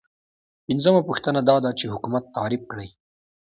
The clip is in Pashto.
پنځمه پوښتنه دا ده چې حکومت تعریف کړئ.